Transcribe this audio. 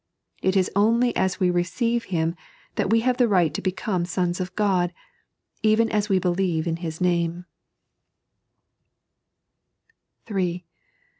It is only as we receive Him that we have the right to become sons of God, even as we believe in His Name (John i.